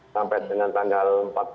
sampai dengan tanggal empat belas